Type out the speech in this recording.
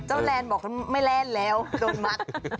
เจ้าแลนด์บอกว่าไม่แลนด์แล้วโดนมัก